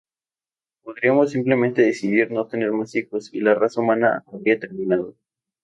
Podríamos simplemente decidir no tener más hijos y la raza humana habría terminado.